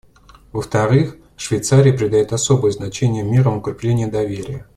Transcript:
Во-вторых, Швейцария придает особое значение мерам укрепления доверия.